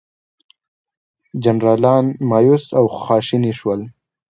جنرالان مأیوس او خواشیني شول.